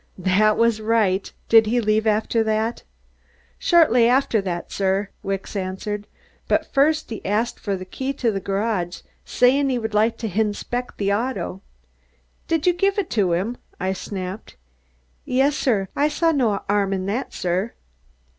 "That was right. Did he leave after that?" "Shortly after that, sir," Wicks answered. "But first he asked for the key to the garage, sayin' that 'e would like to hinspect the auto." "Did you give it to him?" I snapped. "Y yes, sir. I saw no 'arm in that, sir."